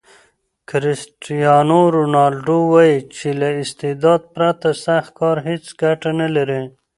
کرسټیانو رونالډو وایي چې له استعداد پرته سخت کار هیڅ ګټه نلري.